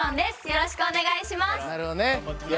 よろしくお願いします。